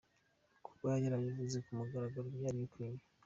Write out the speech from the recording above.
"Kuba yarabivuze ku mugaragaro byari bikwiye.